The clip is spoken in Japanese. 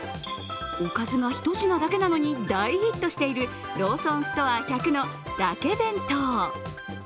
おかずが１品だけなのに大ヒットしているローソンストア１００のだけ弁当。